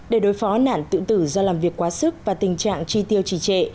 để đối phó nạn tự tử do làm việc quá sức và tình trạng chi tiêu trì trệ